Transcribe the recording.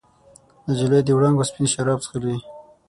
نجلۍ د وړانګو سپین شراب چښلي